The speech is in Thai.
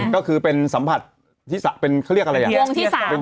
ก็คือเป็นสัมผัสเป็นเค้าเรียกอะไรอย่าง